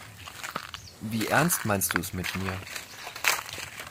Wie ernst meinst du es mit mir?